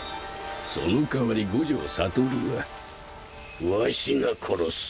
そのかわり五条悟はわしが殺す。